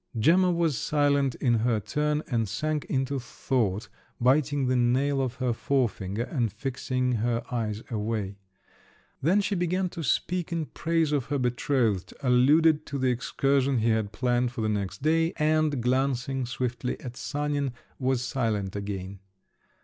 Gemma was silent in her turn, and sank into thought, biting the nail of her forefinger and fixing her eyes away. Then she began to speak in praise of her betrothed, alluded to the excursion he had planned for the next day, and, glancing swiftly at Sanin, was silent again.